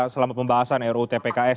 selama pembahasan ruu tpks